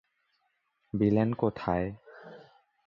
Villain কোথায়?